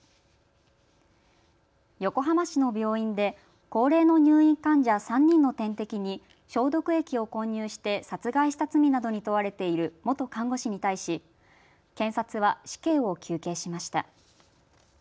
横浜市の病院で高齢の入院患者３人の点滴に消毒液を混入して殺害した罪などに問われている元看護師に対し検察は死刑を求刑しました。